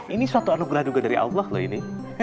ini suatu anugerah juga dari allah loh ini